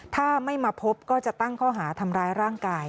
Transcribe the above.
ถ้าไม่มาพบก็จะตั้งข้อหาทำร้ายร่างกาย